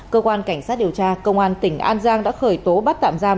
cơ quan cảnh sát điều tra công an tỉnh an giang đã khởi tố bắt tạm giam